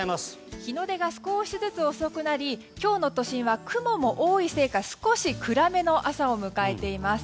日の出が少しずつ遅くなり今日の都心は雲も多いせいか少し暗めの朝を迎えています。